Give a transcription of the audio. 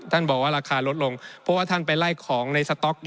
บอกว่าราคาลดลงเพราะว่าท่านไปไล่ของในสต๊อก